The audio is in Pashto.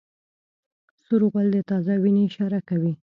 سور غول د تازه وینې اشاره کوي.